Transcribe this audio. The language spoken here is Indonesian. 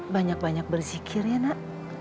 banyak banyak berzikir ya nak